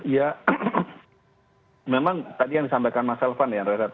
ya memang tadi yang disampaikan mas elvan ya rehat